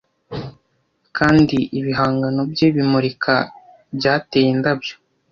kandi ibihangano bye bimurika byateye indabyo